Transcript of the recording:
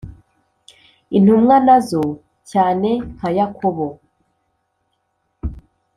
intumwa nazo, cyane nka yakobo